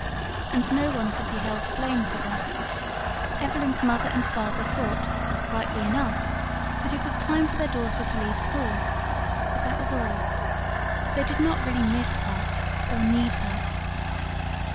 And no one could be held to blame for this. Evelyn's mother and father thought, rightly enough, that it was time for their daughter to leave school but that was all. They did not really miss her, or need her.